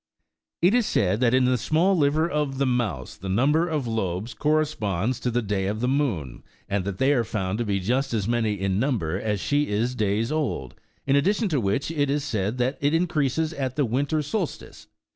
It is said, that in the small liver of the mouse the number of lobes corresponds to the day of the moon, and that they are found to be just as many in number as she is days old ; in addition to which, it is said that it increases at the winter sol stice.